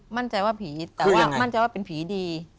มั่นใจว่าผีแต่ว่ามั่นใจว่าเป็นผีดี